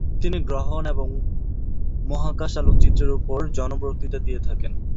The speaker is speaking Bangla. তিনি গ্রহণ ও মহাকাশ আলোকচিত্রের উপর জন বক্তৃতা দিয়ে থাকেন।